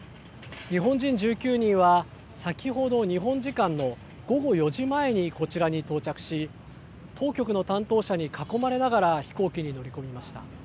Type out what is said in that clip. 日本人１９人は先ほど、日本時間の午後４時前にこちらに到着し、当局の担当者に囲まれながら飛行機に乗り込みました。